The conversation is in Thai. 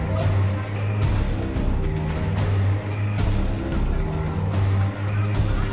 โปรดติดตามต่อไป